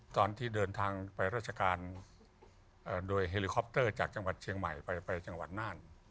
ตอนที่เดินทางไปราชการโดยเฮลิคอปเตอร์จากจังหวัดเชียงใหม่ไปจังหวัดน่าน